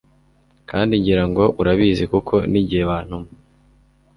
kandi ngira ngo urabizi kuko nigihe bantuma